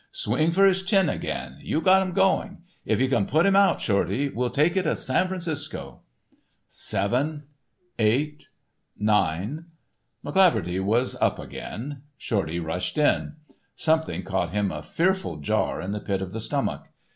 Swing for his chin again, you got him going. If you can put him out, Shorty, we'll take you to San Francisco." "Seven—eight—nine—" McCleaverty was up again. Shorty rushed in. Something caught him a fearful jar in the pit of the stomach.